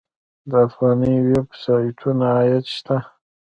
د افغاني ویب سایټونو عاید شته؟